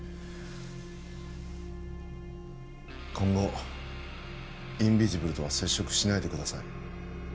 今後インビジブルとは接触しないでください